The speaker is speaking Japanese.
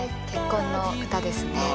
結婚の歌ですね。